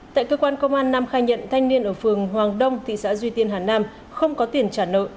tại cơ quan công an nam khai nhận thanh niên ở phường hoàng đông thị xã duy tiên hà nam không có tiền trả nợ